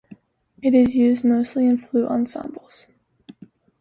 It is used mostly in flute ensembles.